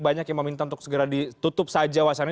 banyak yang meminta untuk segera ditutup saja wacana